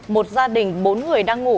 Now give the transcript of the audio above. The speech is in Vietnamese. một gia đình bốn người đang ngủ